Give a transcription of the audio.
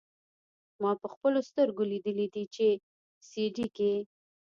ما پخپلو سترګو ليدلي دي په سي ډي کښې.